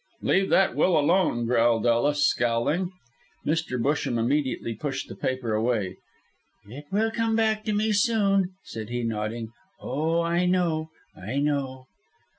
"Leave that will alone," growled Ellis, scowling. Mr. Busham immediately pushed the paper away. "It will come back to me soon," said he, nodding. "Oh, I know, I know."